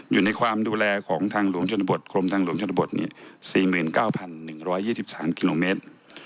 อยู่ในความดูแลของทางหลวงชนบทกรมทางหลวงชนบทนี่สี่หมื่นเก้าพันหนึ่งร้อยยี่สิบสามกิโลเมตร